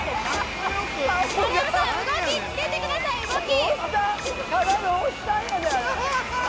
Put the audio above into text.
丸山さん、動きつけてください、動き。